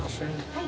はい